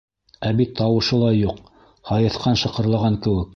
Ә бит тауышы ла юҡ, һайыҫҡан шыҡырлаған кеүек.